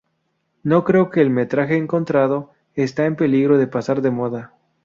No creo que el metraje encontrado está en peligro de pasar de moda.